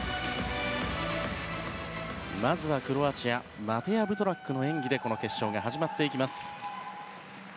まずはクロアチアマテア・ブトラックの演技でこの決勝が始まっていきます。